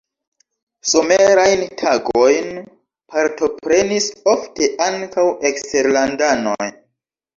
Somerajn tagojn partoprenis ofte ankaŭ eksterlandanoj.